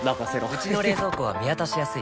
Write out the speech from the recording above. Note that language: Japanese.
うちの冷蔵庫は見渡しやすい